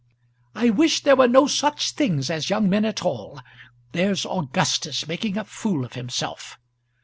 "I wish there were no such things as young men at all. There's Augustus making a fool of himself."